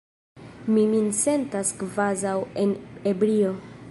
Mi min sentas kvazaŭ en ebrio.